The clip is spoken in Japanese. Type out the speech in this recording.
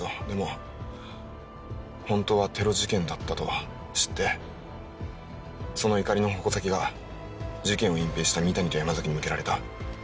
でも本当はテロ事件だったと知ってその怒りの矛先が事件を隠蔽した三谷と山崎に向けられた。